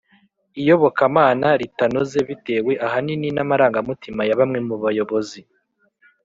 iyobokamana ritanoze bitewe ahanini n amarangamutima ya bamwe mu bayobozi